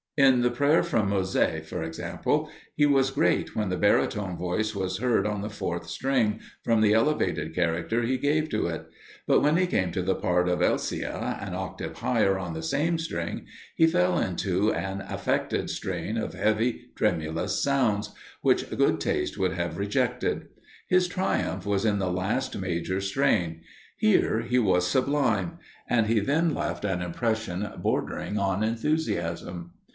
In the prayer from "Mosè," for example, he was great when the baritone voice was heard on the fourth string, from the elevated character he gave to it; but when he came to the part of Elcia, an octave higher on the same string, he fell into an affected strain of heavy, tremulous sounds, which good taste would have rejected. His triumph was in the last major strain; here he was sublime and he then left an impression bordering on enthusiasm.